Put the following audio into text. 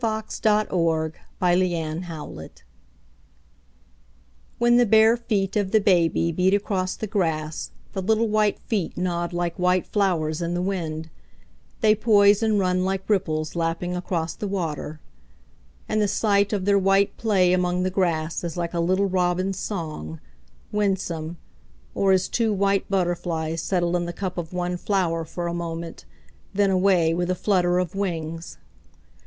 1916. 14. A Baby Running Barefoot WHEN the bare feet of the baby beat across the grassThe little white feet nod like white flowers in the wind, They poise and run like ripples lapping across the water; And the sight of their white play among the grassIs like a little robin's song, winsome, Or as two white butterflies settle in the cup of one flowerFor a moment, then away with a flutter of wings.